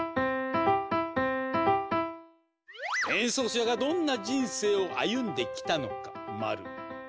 演奏者がどんな人生を歩んできたのかマル。